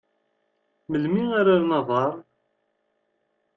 Melmi ara rren aḍar?